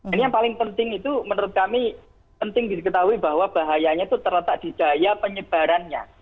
ini yang paling penting itu menurut kami penting diketahui bahwa bahayanya itu terletak di daya penyebarannya